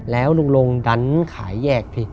แล้วลงดันขายแยกพี่